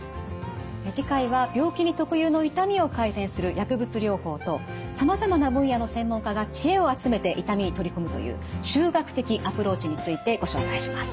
次回は病気に特有の痛みを改善する薬物療法とさまざまな分野の専門家が知恵を集めて痛みに取り組むという集学的アプローチについてご紹介します。